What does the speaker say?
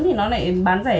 thì nó lại bán rẻ